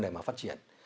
để mà phát triển